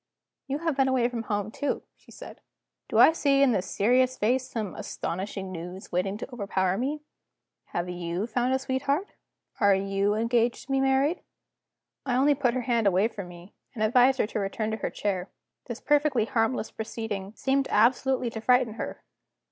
"You have been away from home, too," she said. "Do I see in this serious face some astonishing news waiting to overpower me? Have you found a sweetheart? Are you engaged to be married?" I only put her hand away from me, and advised her to return to her chair. This perfectly harmless proceeding seemed absolutely to frighten her.